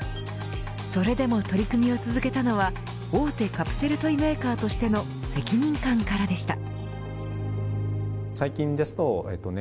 それでも取り組みを続けたのは大手カプセルトイメーカーとしての責任感からでした。